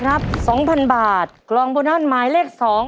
หนึ่งล้านหนึ่งล้านหนึ่งล้าน